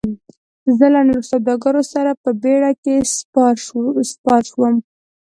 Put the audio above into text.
زه له نورو سوداګرو سره په بیړۍ کې سپار شوم.